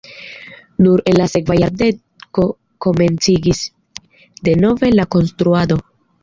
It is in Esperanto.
Nur en la sekva jardeko komenciĝis denove la konstruado.